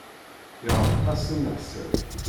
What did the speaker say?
Yeɛreq-asen leḥsab.